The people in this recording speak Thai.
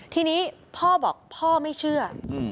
ทีนี้พ่อบอกพ่อไม่เชื่อ